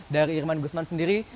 dari irman gusman sendiri